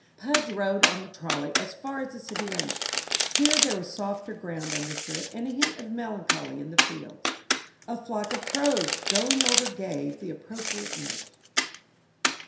Pudge rode on the trolley as far as the city limits. Here there was softer ground underfoot and a hint of melancholy in the fields. A flock of crows going over gave the appropriate note.